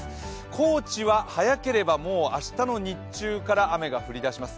高知は早ければ明日の日中から雨が降り出します。